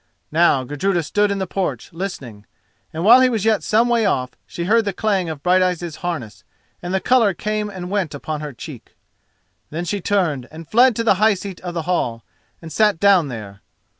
Now Gudruda stood in the porch, listening; and while he was yet some way off, she heard the clang of Brighteyen's harness, and the colour came and went upon her cheek. Then she turned and fled to the high seat of the hall, and sat down there.